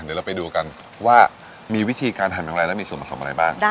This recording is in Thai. เดี๋ยวเราไปดูกันว่ามีวิธีการทำอย่างไรและมีส่วนผสมอะไรบ้าง